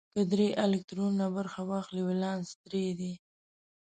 که درې الکترونه برخه واخلي ولانس درې دی.